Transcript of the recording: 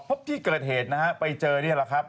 พบที่เกิดเหตุนะฮะไปเจอนี่แหละครับ